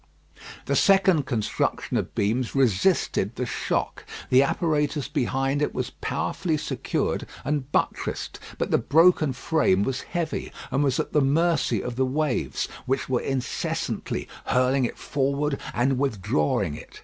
The second construction of beams resisted the shock. The apparatus behind it was powerfully secured and buttressed. But the broken frame was heavy, and was at the mercy of the waves, which were incessantly hurling it forward and withdrawing it.